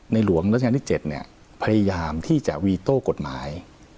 หลวงราชการที่๗พยายามที่จะวีโต้กฎหมาย